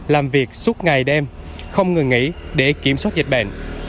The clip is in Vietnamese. làm việc suốt ngày đêm không ngừng nghỉ để kiểm soát dịch bệnh